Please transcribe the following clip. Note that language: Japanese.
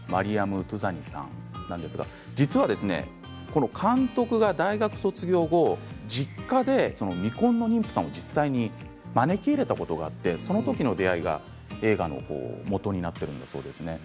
実は監督が大学卒業後実家で、未婚の妊婦さんを実際に招き入れたことがあってそのときの出会いが映画のもとになっているそうです。